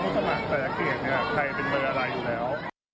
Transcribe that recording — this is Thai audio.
ผู้สมัครในละเขตนี้ใครเป็นเบอร์อะไรอยู่แล้ว